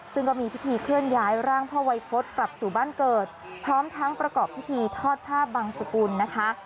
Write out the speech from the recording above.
ซึ่งก็มีพิธีเคลื่อนย้ายร่างพ่อวัยพฤษกลับสู่บ้านเกิดพร้อมทั้งประกอบพิธีทอดผ้าบังสกุลนะคะ